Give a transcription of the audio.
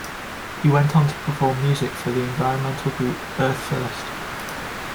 He went on to perform music for the environmental group Earth First!